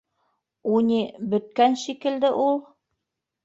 У ни бөткән шикелде ул...